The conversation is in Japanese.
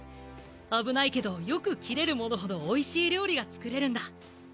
危ないけどよく切れるもの程おいしい料理がつくれるんだ。